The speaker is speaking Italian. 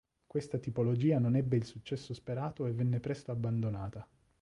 Questa tipologia non ebbe il successo sperato e venne presto abbandonata.